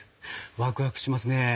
ワクワクしますね。